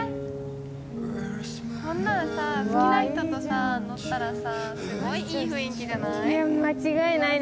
こんなのさ、好きな人と乗ったらさ、すごいいい雰囲気じゃない？